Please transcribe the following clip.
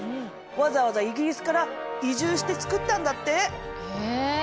わざわざイギリスから移住して作ったんだって。え！